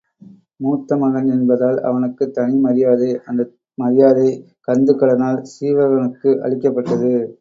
மூத்த மகன் என்பதால் அவனுக்குத் தனி மரியாதை, அந்த மரியாதை கந்துக் கடனால் சீவகனுக்கு அளிக்கப் பட்டது.